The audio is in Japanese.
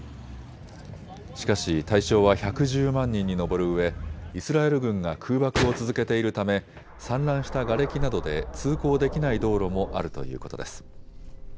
しかし対象は１１０万人に上るうえイスラエル軍が空爆を続けているため散乱したがれきなどで通行できない道路もあるということです。